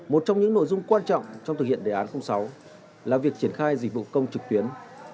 một trong những nội dung quan trọng trong thực hiện đề án sáu là việc triển khai dịch vụ công trực tuyến